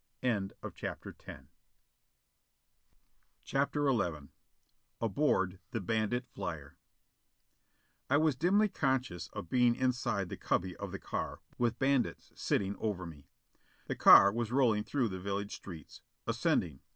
CHAPTER XI Aboard the Bandit Flyer I was dimly conscious of being inside the cubby of the car, with bandits sitting over me. The car was rolling through the village streets. Ascending.